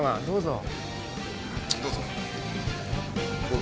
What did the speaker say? どうぞ。